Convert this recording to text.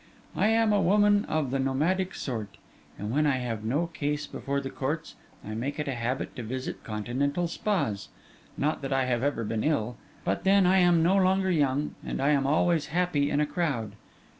I am a woman of the nomadic sort, and when I have no case before the courts I make it a habit to visit continental spas: not that I have ever been ill; but then I am no longer young, and I am always happy in a crowd.